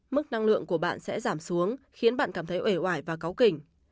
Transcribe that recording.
mức năng lượng của bạn sẽ giảm xuống khiến bạn cảm thấy ủi ủi và cáu kỉnh